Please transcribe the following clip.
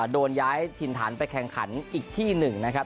โดนย้ายถิ่นฐานไปแข่งขันอีกที่หนึ่งนะครับ